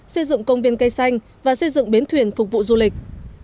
xây dựng công viên cây xanh và xây dựng bến thuyền phục vụ du lịch